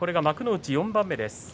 幕内４番目です。